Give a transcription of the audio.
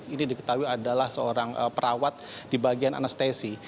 ini diketahui adalah seorang perawat di bagian anestesi